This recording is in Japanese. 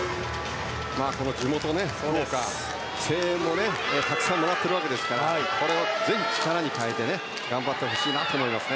地元・福岡声援もたくさんもらっているわけですからぜひ力に変えて頑張ってほしいなと思います。